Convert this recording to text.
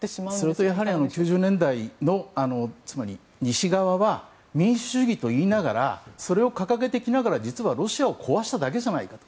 それと、９０年代のつまり西側は民主主義といいながらそれを掲げてきながら実はロシアを壊しただけじゃないかと。